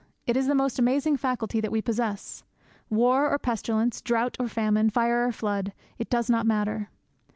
It is the most amazing faculty that we possess. War or pestilence; drought or famine; fire or flood; it does not matter.